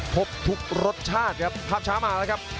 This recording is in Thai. ครบทุกรสชาติครับภาพช้ามาแล้วครับ